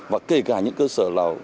và kể cả những cơ sở là